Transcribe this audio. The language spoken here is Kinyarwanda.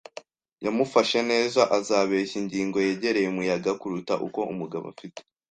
yamufashe neza. “Azabeshya ingingo yegereye umuyaga kuruta uko umugabo afite